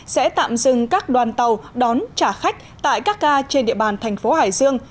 sẽ tạm dừng các đoàn tàu đón trả khách tại các ga trên địa bàn tp hải dương